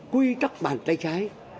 quy trắc bàn tay trái